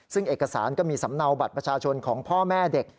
ซึ่งเอกสารก็มีสำเนาบัตรประชาชนของพ่อแม่เด็ก